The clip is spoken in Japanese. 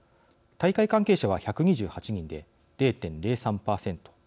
大会関係者は１２８人で０．０３％。